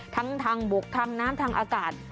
ทั้งทางบกทางน้ำทางอากาศ